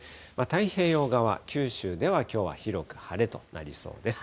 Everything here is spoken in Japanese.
太平洋側、九州ではきょうは広く晴れとなりそうです。